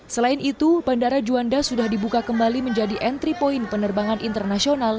selain itu bandara juanda sudah dibuka kembali menjadi entry point penerbangan internasional